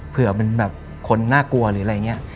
เผื่อมันแบบคนน่ากลัวหรืออะไรอย่างนี้